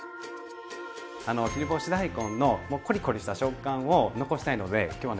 あの切り干し大根のこりこりした食感を残したいので今日はね